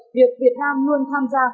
việc việt nam luôn tham gia